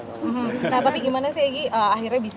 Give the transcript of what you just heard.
nah tapi gimana sih egy akhirnya bisa